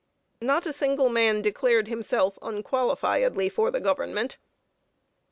Not a single man declared himself unqualifiedly for the Government.